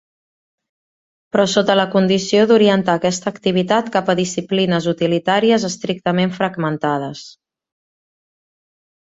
Però sota la condició d'orientar aquesta activitat cap a disciplines utilitàries estrictament fragmentades.